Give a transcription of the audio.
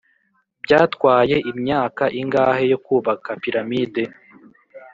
byatwaye imyaka ingahe yo kubaka piramide?